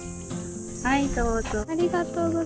はい、どうぞ。